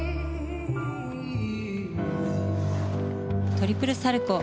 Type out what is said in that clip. トリプルサルコウ。